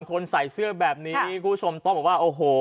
คนใส่เสื้อแบบนี้คุณผู้ชมต้องบอกว่าโอ้โห